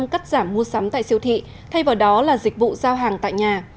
ba mươi cắt giảm mua sắm tại siêu thị thay vào đó là dịch vụ giao hàng tại nhà